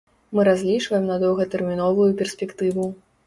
Мы разлічваем на доўгатэрміновую перспектыву.